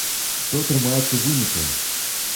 Што атрымаецца ў выніку?